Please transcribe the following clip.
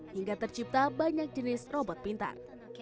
hingga tercipta banyak jenis robot pintar